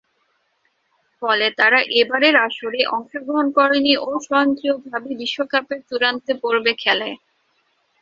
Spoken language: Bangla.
ফলে তারা এবারের আসরে অংশগ্রহণ করেনি ও স্বয়ংক্রিয়ভাবে বিশ্বকাপের চূড়ান্ত পর্বে খেলে।